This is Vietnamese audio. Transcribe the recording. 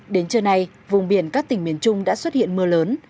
đến trưa nay vùng biển các tỉnh miền trung đã xuất hiện mưa lớn